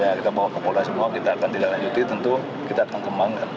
ya kita bawa ke polda semua kita akan tindak lanjuti tentu kita akan kembangkan